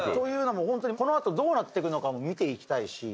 このあとどうなってくのか見ていきたいし